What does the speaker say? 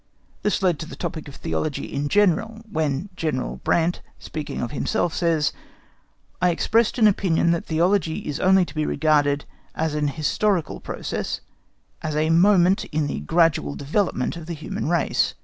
This led to the topic of theology in general, when General Brandt, speaking of himself, says, "I expressed an opinion that theology is only to be regarded as an historical process, as a moment in the gradual development of the human race.